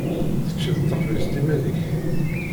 Teččiḍ taxbizt iman-ik.